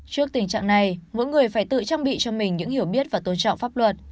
trước tình trạng này mỗi người phải tự trang bị cho mình những hiểu biết và tôn trọng pháp luật